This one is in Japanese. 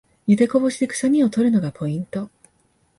ゆでこぼしでくさみを取るのがポイント